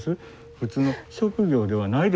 普通の職業ではないですからね。